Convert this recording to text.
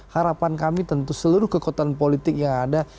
harapan kami tentu seluruh kekuatan politik yang ada